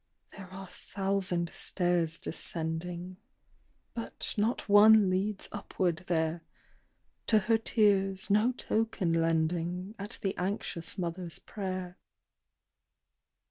"There are thousand stairs descending, But not one leads upward there. To her tears no token lending, At the anxious mother's prayer."